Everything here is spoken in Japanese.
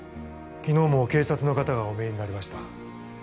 ・昨日も警察の方がお見えになりました。